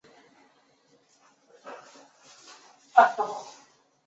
叶片对臂虫为海绵盘虫科对臂虫属的动物。